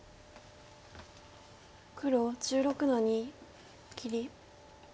黒１６の二切り。